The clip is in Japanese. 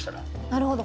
なるほど。